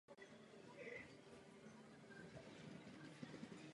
Možná to byla obava z vnějšího zásahu a ovlivnění volby.